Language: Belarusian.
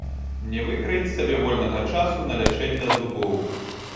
Не выкраіць сабе вольнага часу на лячэнне зубоў.